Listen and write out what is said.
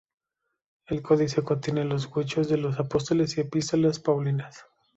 El codice contiene los Hechos de los Apóstoles y Epístolas paulinas.